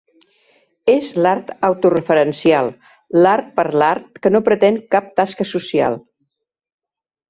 És l'art autoreferencial, l'art per l'art que no pretén cap tasca social.